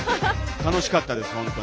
楽しかったです、本当に。